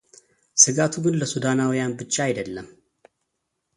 ስጋቱ ግን ለሱዳናውያን ብቻ አይደለም።